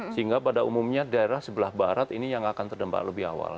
sehingga pada umumnya daerah sebelah barat ini yang akan terdampak lebih awal